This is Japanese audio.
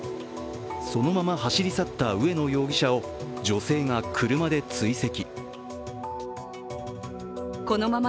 そのまま走り去った上野容疑者を女性が車で追跡。